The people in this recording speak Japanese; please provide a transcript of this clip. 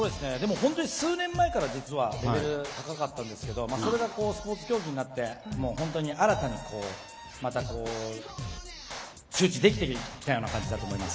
本当に数年前から実はレベルが高かったんですけどそれがスポーツ競技になってそれが本当に新たに周知できてきた感じだと思います。